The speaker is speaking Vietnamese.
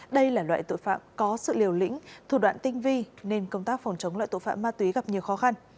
đây là loại tội phạm có sự liều lĩnh thủ đoạn tinh vi nên công tác phòng chống loại tội phạm ma túy gặp nhiều khó khăn